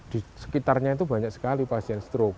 di sekitarnya itu banyak sekali pasien stroke